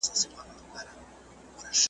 ورته مخ به د ناورين او جنازو وي ,